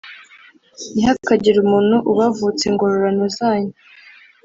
Ntihakagire umuntu ubavutsa ingororano zanyu